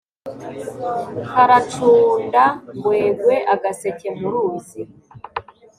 Karacunda ngwegwe-Agaseke mu ruzi.